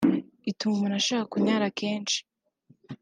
ituma umuntu ashaka kunyara kenshi